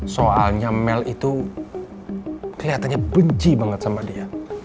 soalnya mel itu kelihatannya benci banget sama dia